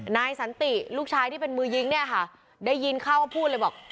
นายสันติลูกชายที่เป็นมือยิงเนี่ยค่ะได้ยินเขาก็พูดเลยบอก